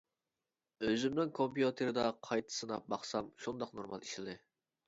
ئۆزۈمنىڭ كومپيۇتېرىدا قايتا سىناپ باقسام شۇنداق نورمال ئىشلىدى.